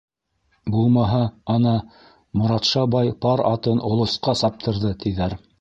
Булмаһа, ана, Моратша бай пар атын олосҡа саптырҙы, тиҙәр.